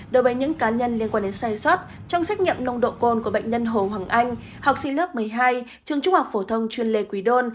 đối với những cá nhân liên quan đến sai sót trong xét nghiệm nồng độ côn của bệnh nhân hồ hoàng anh học sinh lớp một mươi hai trường trung học phổ thông chuyên lê quỳ đôn